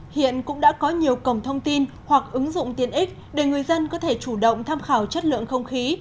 hiện cũng đã có nhiều cổng thông tin hoặc ứng dụng tiền ích để người dân có thể chủ động tham khảo chất lượng không khí